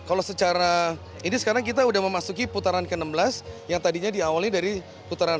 dan kalau secara ini sekarang kita sudah memasuki putaran ke enam belas yang tadinya diawalnya dari putaran satu ratus lima